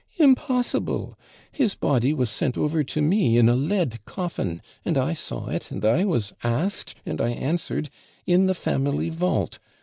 'Impossible! His body was sent over to me in a lead coffin; and I saw it and I was asked and I answered, "in the family vault."